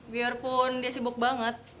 biarpun dia sibuk banget